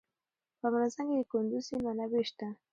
په افغانستان کې د کندز سیند منابع شته.